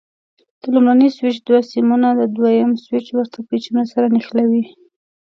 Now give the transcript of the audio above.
د لومړني سویچ دوه سیمونه د دوه یم سویچ ورته پېچونو سره ونښلوئ.